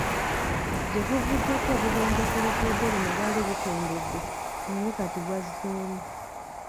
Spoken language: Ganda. Gye buvuddeko obubenje ku luguudo luno bwali bukendedde naye kati bwazzeemu.